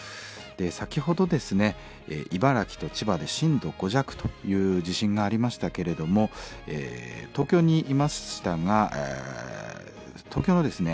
先ほどですね茨城と千葉で震度５弱という地震がありましたけれども東京にいましたが東京のですね